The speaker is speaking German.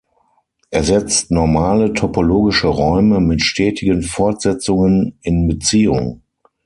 Er setzt normale topologische Räume mit stetigen Fortsetzungen in Beziehung.